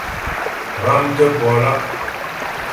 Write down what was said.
Ghámtə̀ po lá'.